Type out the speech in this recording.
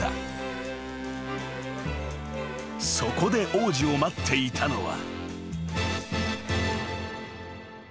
［そこで王子を待っていたのは］